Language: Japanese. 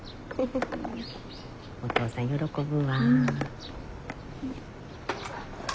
おとうさん喜ぶわ。